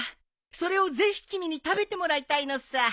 それをぜひ君に食べてもらいたいのさ。